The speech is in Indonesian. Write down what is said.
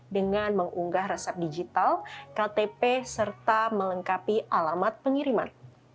dengan mengunggah resep digital ktp serta melengkapi alamat pengiriman